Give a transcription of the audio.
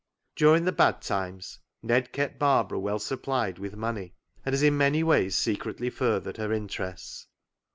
" During the bad times Ned kept Barbara well supplied with money, and has in many ways secretly furthered her interests.